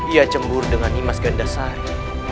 ia cembur dengan nimas gendasari